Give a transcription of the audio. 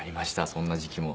そんな時期も。